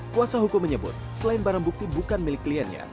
kuasa hukum menyebut selain barang bukti bukan milik kliennya